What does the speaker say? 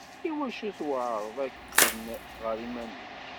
Iwacu tweεreḍ akken ɣer yiman-ik?